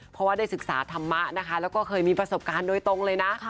เพราะว่าได้ศึกษาธรรมะนะคะแล้วก็เคยมีประสบการณ์โดยตรงเลยนะ